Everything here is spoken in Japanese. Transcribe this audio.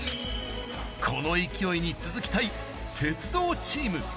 この勢いに続きたい鉄道チーム。